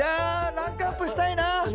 ランクアップしたいな！